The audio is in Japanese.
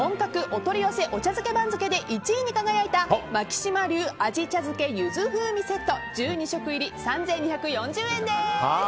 お取り寄せお茶漬け番付で１位に輝いた牧島流鯵茶漬けゆず風味セット１２食入り３２４０円です。